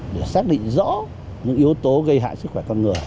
để xác định rõ những yếu tố gây hại sức khỏe